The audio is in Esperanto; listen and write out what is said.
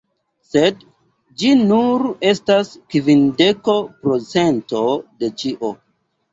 Sed ĝi nur estas kvindeko procento de ĉio